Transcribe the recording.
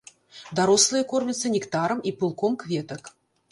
Дарослыя кормяцца нектарам і пылком кветак.